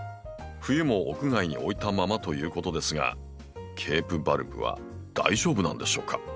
冬も屋外に置いたままということですがケープバルブは大丈夫なんでしょうか？